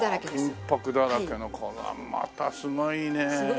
金箔だらけのこれはまたすごいねえ。